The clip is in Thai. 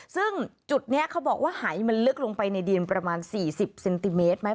ซึ่งจุดนี้เขาบอกว่าหายมันลึกลงไปในดินประมาณ๔๐เซนติเมตรไหม